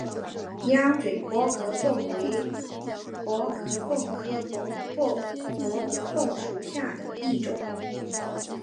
鸭嘴薄壳蛤为薄壳蛤科薄壳蛤属下的一个种。